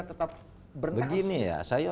tetap begini ya saya